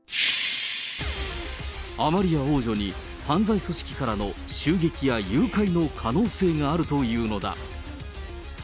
アマリア王女に犯罪組織からの襲撃や誘拐の可能性があるというのだ。